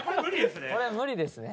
これは無理ですね。